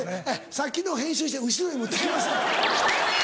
さっきの編集して後ろに持って来ますから。